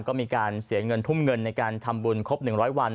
ก็มีการเสียเงินทุ่มเงินในการทำบุญครบ๑๐๐วัน